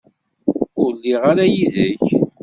Ur lliɣ ara yid-k.